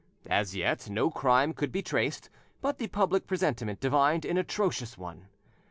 As yet, no crime could be traced, but the public presentiment divined an atrocious one.